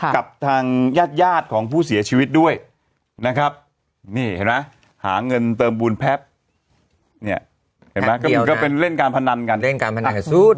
กับทางญาติยาดของผู้เสียชีวิตด้วยนะครับนี่เห็นมั้ยหาเงินเติมบูนแพบเนี่ยเห็นมั้ยก็เป็นเล่นการพนันกันเล่นการพนันกันสู้ด้วย